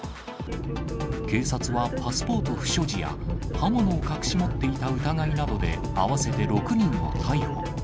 警察はパスポート不所持や刃物を隠し持っていた疑いなどで、合わせて６人を逮捕。